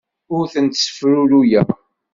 Ur tent-ssefruruyeɣ.